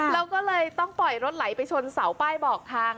แล้วก็เลยต้องปล่อยรถไหลไปชนเสาป้ายบอกทาง